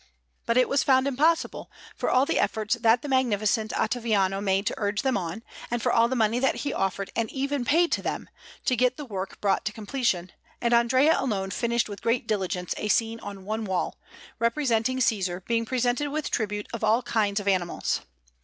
But it was found impossible, for all the efforts that the Magnificent Ottaviano made to urge them on, and for all the money that he offered and even paid to them, to get the work brought to completion; and Andrea alone finished with great diligence a scene on one wall, representing Cæsar being presented with tribute of all kinds of animals.